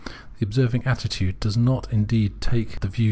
The observing attitude does not indeed take the reXo?